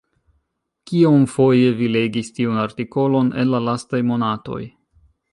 Kiomfoje vi legis tiun artikolon en la lastaj monatoj?